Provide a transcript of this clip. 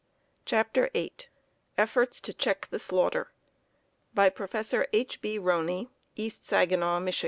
CHAPTER VIII Efforts to Check the Slaughter By Prof. H. B. Roney, East Saginaw, Mich.